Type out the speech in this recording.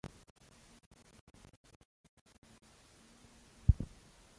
په بانک کې د پیسو ساتل د انفلاسیون مخه نیسي.